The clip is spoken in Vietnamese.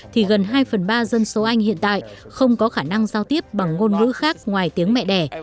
thì gần hai phần ba dân số anh hiện tại không có khả năng giao tiếp bằng ngôn ngữ khác ngoài tiếng mẹ đẻ